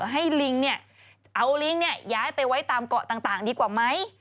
ลิงเอาลิงย้ายไปไว้ตามเกาะต่างดีกว่าไหม